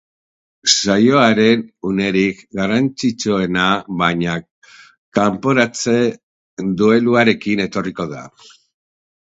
Saioaren unerik garrantzitsuena, baina, kanporatze dueluarekin etorriko da.